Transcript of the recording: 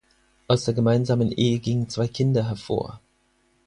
Aus der gemeinsamen Ehe gingen zwei Kinder hervor.